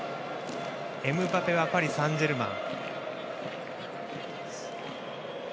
エムバペはパリサンジェルマン。